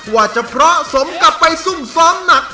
ว่าจะเพราะสมกลับไปซุ่มซ้อมหนัก